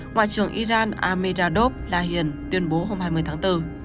ngoại trưởng iran amiradob lahien tuyên bố hôm hai mươi tháng bốn